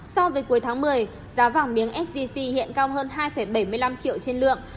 so với cuối tháng một mươi giá vàng miếng sgc hiện cao hơn hai bảy mươi năm triệu trên lượng